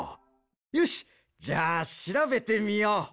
よしじゃあしらべてみよう。